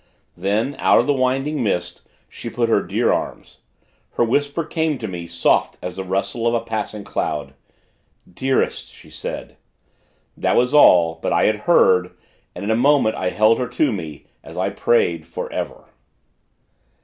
Then, out of the winding mist, she put her dear arms. Her whisper came to me, soft as the rustle of a passing cloud. 'Dearest!' she said. That was all; but I had heard, and, in a moment I held her to me as I prayed forever.